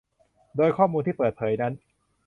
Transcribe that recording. โดยข้อมูลที่เปิดเผยนั้น